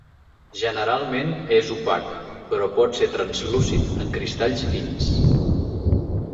Generalment és opac però pot ser translúcid en cristalls fins.